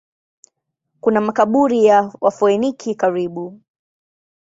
Kuna makaburi ya Wafoeniki karibu.